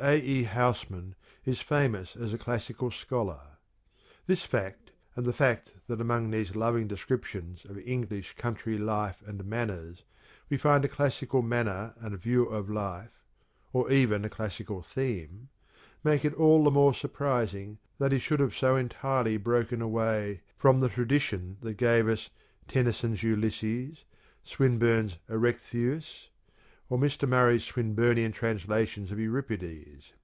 A. E. Housman is famous as a classical scholar. This fact, and the fact that among these loving descriptions of English country life and manners we find a classical manner and view of life, or even a classical theme, make it all the more surprising that he should have so entirely broken away from the tradition that gave us Tennyson's " Ulysses," Swin burne's " Erechtheus," or Mr. Murray's Swinburnian translations of "Euripides."